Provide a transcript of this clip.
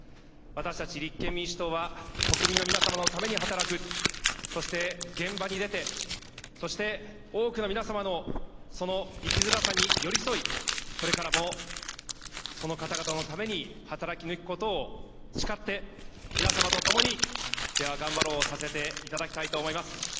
私たち立憲民主党は、国民の皆様のために働く、そして現場に出て、そして多くの皆様のその生きづらさに寄り添い、これからもその方々のために働き抜くことを誓って、皆様とともに、では頑張ろうをさせていただきたいと思います。